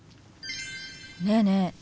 ねえねえ